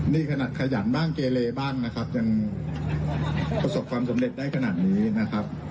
นี่ขนาดขยันบ้างเกเลบ้างนะครับยังประสบความสำเร็จได้ขนาดนี้นะครับ